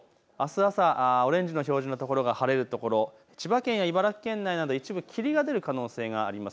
あす朝、オレンジの表示の所が晴れる所、千葉県や茨城県内など一部霧が出る可能性があります。